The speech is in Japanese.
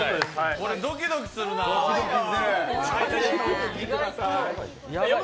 これドキドキするなー。